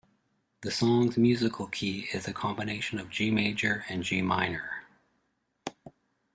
The song's musical key is a combination of G major and G minor.